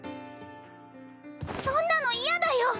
そんなの嫌だよ！